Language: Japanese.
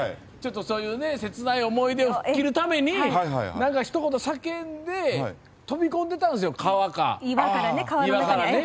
そういう切ない思い出を吹っ切るためにひと言、叫んで飛び込んでたんですよ、川に。